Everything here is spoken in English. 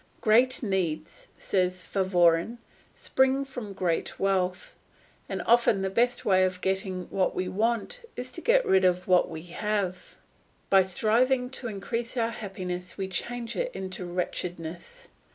"Great needs," said Favorin, "spring from great wealth; and often the best way of getting what we want is to get rid of what we have." By striving to increase our happiness we change it into wretchedness.